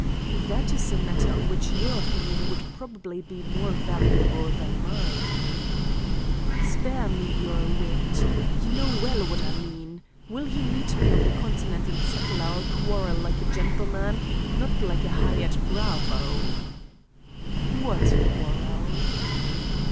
"That is a matter on which your opinion would probably be more valuable than mine." "Spare me your wit. You know well what I mean. Will he meet me on the Continent and settle our quarrel like a gentleman, not like a hired bravo?" "What quarrel?"